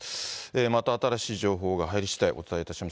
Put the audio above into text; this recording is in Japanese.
また新しい情報が入りしだい、お伝えいたします。